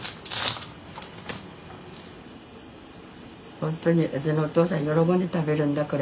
ほんとにうちのお父さん喜んで食べるんだこれ。